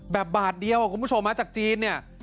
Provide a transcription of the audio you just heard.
แบบบาทเดียวของคุณผู้โชคมาจากจีนเนี่ย